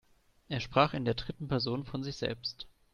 Er sprach in der dritten Person von sich selbst.